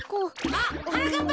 あっはなかっぱ！